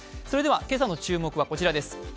それでは今朝の注目はこちらです。